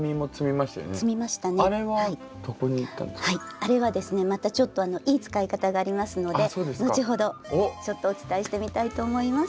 あれはですねまたちょっといい使い方がありますので後ほどお伝えしてみたいと思います。